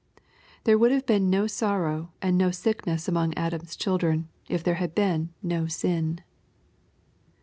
There would have been no sorrow and no sickness among Adam's children, if there had been no sin.